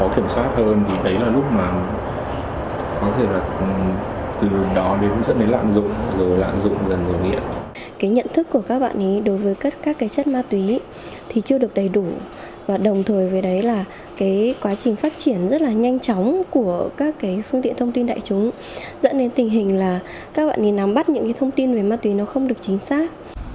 cái nhận thức của các bạn ấy đối với các chất ma túy thì chưa được đầy đủ và đồng thời với đấy là quá trình phát triển rất là nhanh chóng của các phương tiện thông tin đại chúng dẫn đến tình hình là các bạn ấy nắm bắt những thông tin về ma túy nó không được chính xác